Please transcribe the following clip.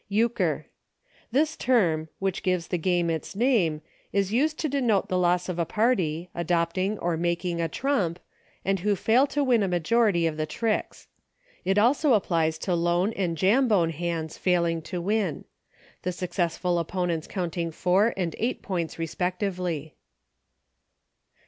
Euchre. This term, which gives the game its name, is used to denote the loss of a party, adopting or making a trump, and who fail to win a majority of the tricks. It also applies to Lone and Jambone hands failing to win ; the successful opponents counting four and eight points respectively.